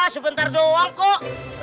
sebentar doang kok